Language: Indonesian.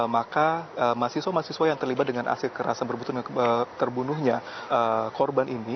maka mahasiswa mahasiswa yang terlibat dengan aksi kekerasan terbunuhnya korban ini